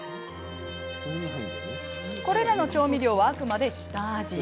これらの調味料はあくまで下味。